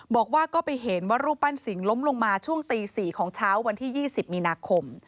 บอกว่าก็ไปเห็นว่ารูปปั้นสิงห์ล้มลงมาช่วงตี๔ของเช้าวันที่๒๐มีนาคม